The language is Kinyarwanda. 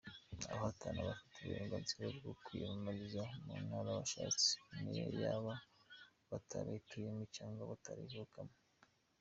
Abahatana bafite uburenganzira bwo kwiyamamariza mu ntara bashatse, niyo baba batayituyemo cyangwa batayivukamo.